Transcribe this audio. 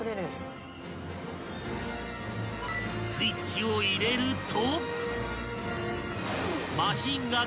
［スイッチを入れると］